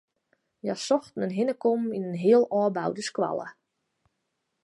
Hja sochten in hinnekommen yn in heal ôfboude skoalle.